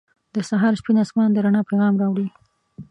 • د سهار سپین آسمان د رڼا پیغام راوړي.